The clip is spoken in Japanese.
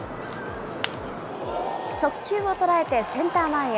速球を捉えてセンター前へ。